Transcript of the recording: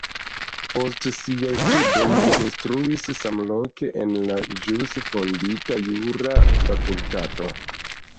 Post siaj studoj li instruis samloke en la ĵus fondita jura fakultato.